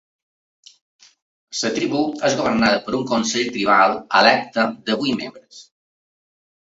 La tribu és governada per un consell tribal electe de vuit membres.